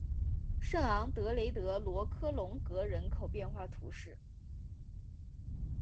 圣昂德雷德罗科龙格人口变化图示